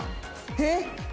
えっ？